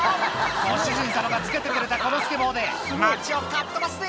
「ご主人様がつけてくれたこのスケボーで街をかっ飛ばすぜ」